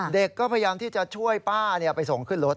เด็กก็พยายามที่จะช่วยป้าไปส่งขึ้นรถ